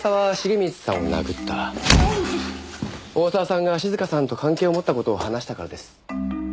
大沢さんが静香さんと関係を持った事を話したからです。